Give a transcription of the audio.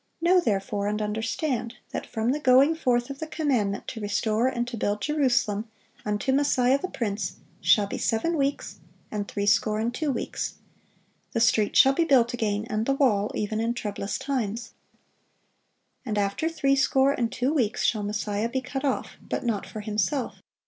Know therefore and understand, that from the going forth of the commandment to restore and to build Jerusalem unto the Messiah the Prince shall be seven weeks, and threescore and two weeks: the street shall be built again, and the wall, even in troublous times. And after threescore and two weeks shall Messiah be cut off, but not for Himself....